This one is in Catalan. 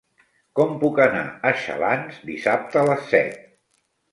Com puc anar a Xalans dissabte a les set?